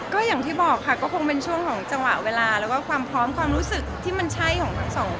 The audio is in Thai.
ก็อย่างที่บอกค่ะก็คงเป็นช่วงของจังหวะเวลาแล้วก็ความพร้อมความรู้สึกที่มันใช่ของทั้งสองคน